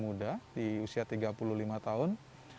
muda di usia tiga puluh lima tahun